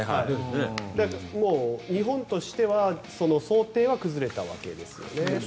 日本としては想定は崩れたわけですよね。